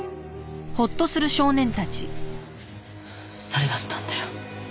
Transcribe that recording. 誰だったんだよ？